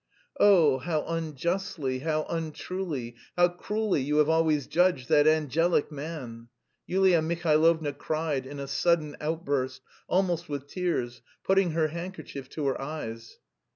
"Oh, how unjustly, how untruly, how cruelly you have always judged that angelic man!" Yulia Mihailovna cried in a sudden, outburst, almost with tears, putting her handkerchief to her eyes.